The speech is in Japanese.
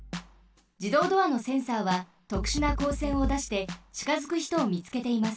じどうドアのセンサーはとくしゅなこうせんをだしてちかづくひとをみつけています。